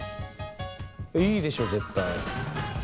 いいでしょ絶対。